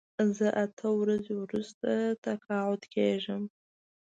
زه اته ورځې وروسته تقاعد کېږم.